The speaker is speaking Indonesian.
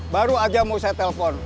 baru aja mau saya telpon